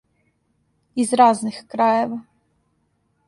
Из разних крајева.